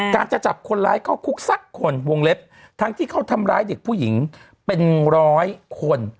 การจะจับคนร้ายเข้าคุกสักคนวงเล็บทั้งที่เขาทำร้ายเด็กผู้หญิงเป็นร้อยคน